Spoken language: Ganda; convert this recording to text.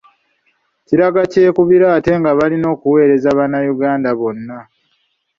Kiraga kyekubiira ate nga balina okuweereza bannayuganda bonna.